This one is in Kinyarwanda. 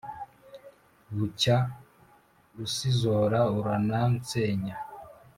Bucya usizora uranansenya.